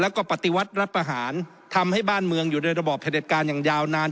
แล้วก็ปฏิวัติรัฐประหารทำให้บ้านเมืองอยู่ในระบอบผลิตการอย่างยาวนาน